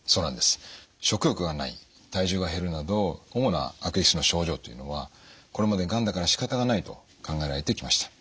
食欲がない体重が減るなど主な悪液質の症状というのはこれまで「がんだからしかたがない」と考えられてきました。